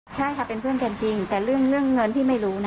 ใช่ค่ะเป็นเพื่อนกันจริงแต่เรื่องเงินพี่ไม่รู้นะ